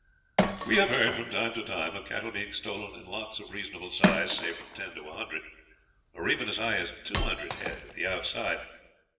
We have heard from time to time of cattle being stolen in lots of reasonable size, say from ten to one hundred, or even as high as two hundred head at the outside.